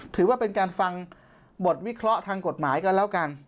ถือว่าเป็นการฟังบทวิเคราะห์ทางกฎหมายกันแล้วกัน